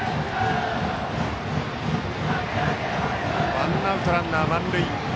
ワンアウトランナー満塁。